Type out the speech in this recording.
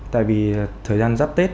tại vì thời gian giáp tết